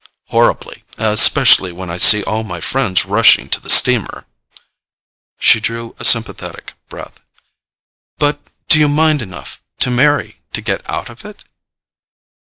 "Horribly—especially when I see all my friends rushing to the steamer." She drew a sympathetic breath. "But do you mind enough—to marry to get out of it?"